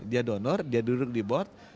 dia donor dia duduk di board